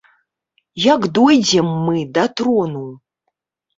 Як дойдзем мы да трону!